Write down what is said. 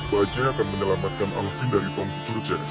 bajaj akan menyelamatkan alvin dari tongki jurjaya